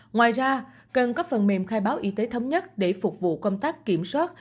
ngoài ra cần có phần mềm khai báo y tế thống nhất để phục vụ công tác kiểm soát